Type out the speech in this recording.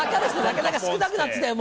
なかなか少なくなってきたよ